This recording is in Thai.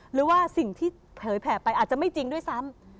หรือว่าสิ่งที่เผยแผ่ไปอาจจะไม่จริงด้วยซ้ำ